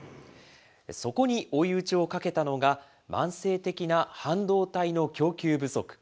そこに追い打ちをかけたのが、慢性的な半導体の供給不足。